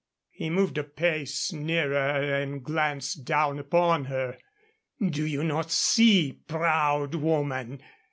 He moved a pace nearer and glanced down upon her. "Do you not see, proud woman?